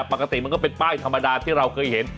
ปกติมันก็เป็นป้ายธรรมดาที่เราเคยเห็น